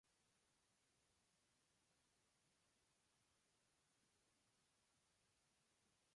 Este buque fue comisionado como la corbeta de guerra de la Providencia.